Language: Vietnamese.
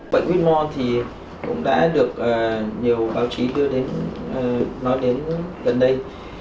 bệnh whmore thì cũng đã được nhiều báo chí đưa đến nói đến gần đây